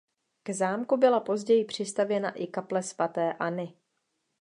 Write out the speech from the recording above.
K zámku byla později přistavěna i kaple svaté Anny.